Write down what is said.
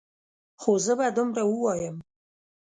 خو زه به دومره ووایم.